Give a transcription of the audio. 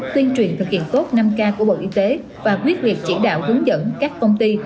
tuyên truyền thực hiện tốt năm k của bộ y tế và quyết liệt chỉ đạo hướng dẫn các công ty